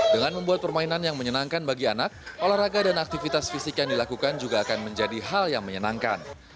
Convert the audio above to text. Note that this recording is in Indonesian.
dengan membuat permainan yang menyenangkan bagi anak olahraga dan aktivitas fisik yang dilakukan juga akan menjadi hal yang menyenangkan